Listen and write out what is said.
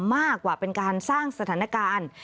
มากกว่าเป็นการสร้างสถานการณ์